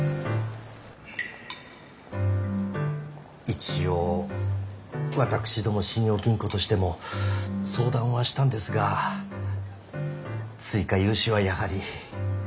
一応私ども信用金庫としても相談はしたんですが追加融資はやはり。